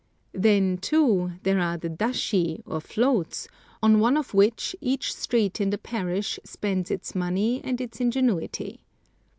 Then, too, there are the dashi, or floats, on one of which each street in the parish spends its money and its ingenuity.